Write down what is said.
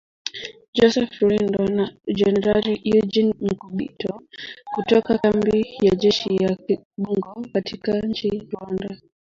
Joseph Rurindo na jenerali Eugene Nkubito, kutoka kambi ya kijeshi ya Kibungo nchini Rwanda